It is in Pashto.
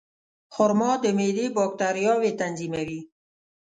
خرما د معدې باکتریاوې تنظیموي.